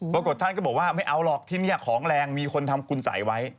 ปรากฏท่านก็บอกว่าไม่เอาหรอกที่นี่ของแรงมีคนทำคุณสัยไว้